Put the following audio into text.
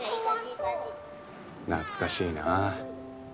懐かしいな。